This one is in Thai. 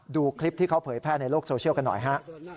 ดูคลิปที่เขาเผยแพร่ในโลกโซเชียลกันหน่อยฮะ